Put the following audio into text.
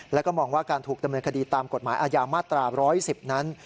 แล้วก็มองว่าการถูกดำเนินคดีตามกฎหมายอาญามาตรา๑๑๐นั้น